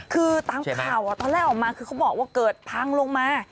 คือตามข่าวตอนแรกออกมาคือเขาบอกว่าเกิดพังลงมา